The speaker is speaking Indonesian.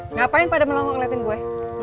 ngapain pada melongo ngeliatin gue